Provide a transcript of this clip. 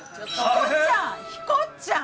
ヒコちゃん！